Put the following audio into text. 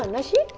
mau ke mana sih